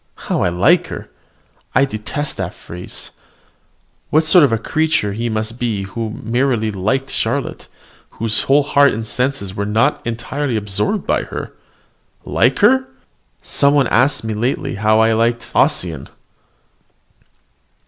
How I like her! I detest the phrase. What sort of creature must he be who merely liked Charlotte, whose whole heart and senses were not entirely absorbed by her. Like her! Some one asked me lately how I liked Ossian.